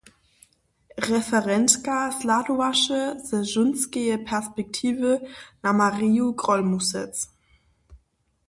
Referentka zhladowaše ze žónskeje perspektiwy na Marju Grólmusec.